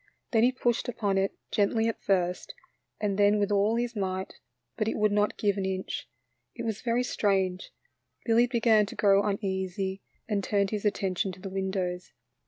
Then he pushed upon it, gently at first, and then with all his might, but it would not give an inch. It was very strange ; Billy began to grow uneasy and turned his attention to the windows.